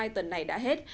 tuần này đã hết